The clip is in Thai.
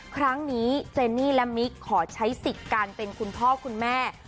ครั้งนี้เจนี่และมิกขอใช้สิทธิ์การเป็นคุณพ่อคุณแม่